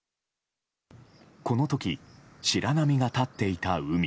この時、白波が立っていた海。